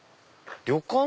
旅館？